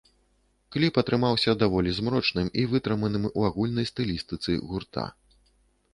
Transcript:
Кліп атрымаўся даволі змрочным і вытрыманым у агульнай стылістыцы гурта.